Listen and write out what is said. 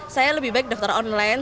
saya lebih baik daftar online